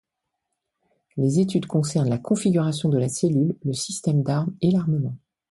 Les études concernent la configuration de la cellule, le système d'armes et l'armement.